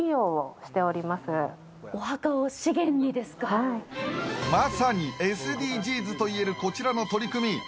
そんな中まさにＳＤＧｓといえる、こちらの取り組み。